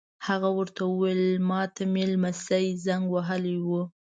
هغه ور ته وویل: ما ته مې نمسی زنګ وهلی و.